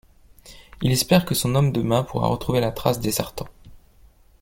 Il espère que son homme de main pourra retrouver la trace des Sartans.